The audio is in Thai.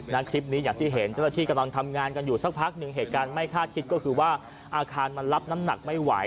คลิปนี้อย่างที่เห็นเจ้าหน้าที่กำลังทำงานกันอยู่สักพักหนึ่งเหตุการณ์ไม่คาดคิดก็คือว่าอาคารมันรับน้ำหนักไม่ไหว